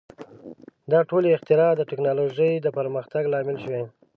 • دا ټولې اختراع د ټیکنالوژۍ د پرمختګ لامل شوې.